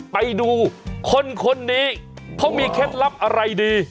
ไปดูคนนี้เขามีเคล็ดลับอะไรดี